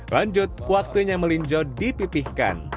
lanjut waktunya melinjo dipipihkan